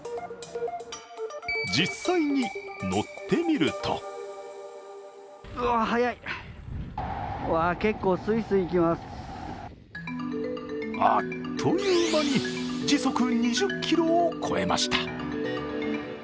実際に乗ってみるとあっという間に時速２０キロを超えました。